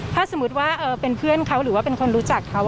ถ้าสมมุติว่าเป็นเพื่อนเขาหรือว่าเป็นคนรู้จักเขา